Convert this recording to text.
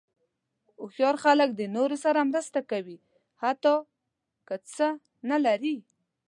هوښیار خلک د نورو سره مرسته کوي، حتی که څه نه لري.